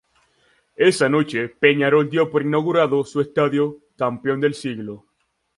Esa noche Peñarol dio por inaugurado su estadio, Campeón del Siglo.